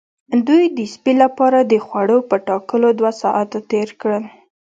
دوی د سپي لپاره د خوړو په ټاکلو دوه ساعته تیر کړل